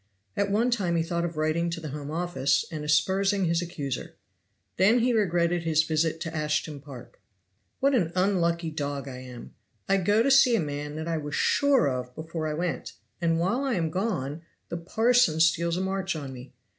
At one time he thought of writing to the Home Office and aspersing his accuser; then he regretted his visit to Ashtown Park. "What an unlucky dog I am! I go to see a man that I was sure of before I went, and while I am gone the parson steals a march on me.